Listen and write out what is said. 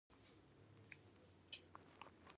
حیوانات سره یو بل سره اړیکه لري.